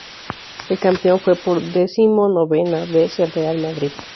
El campeón fue por decimonovena vez el Real Madrid.